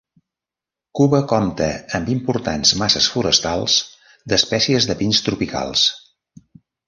Cuba compta amb importants masses forestals d'espècies de pins tropicals.